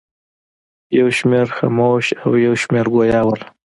یو شمېر خموش او یو شمېر ګویا ول.